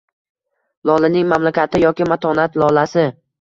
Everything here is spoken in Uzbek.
Lolaning mamlakati yoki matonat lolasi